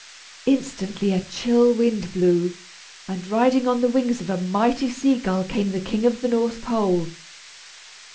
Instantly a chill wind blew, and riding on the wings of a mighty sea gull came the King of the North Pole.